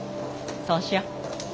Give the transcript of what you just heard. そうしよう。